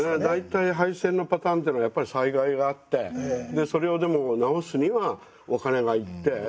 大体廃線のパターンっていうのはやっぱり災害があってそれをでも直すにはお金がいって。